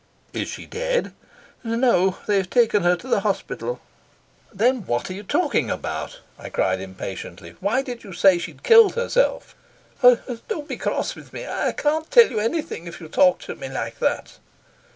"Is she dead?" "No; they've taken her to the hospital." "Then what are you talking about?" I cried impatiently. "Why did you say she'd killed herself?" "Don't be cross with me. I can't tell you anything if you talk to me like that."